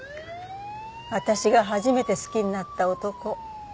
私が初めて好きになった男。